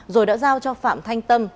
rồi đã giao cho phạm thanh tâm